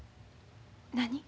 何？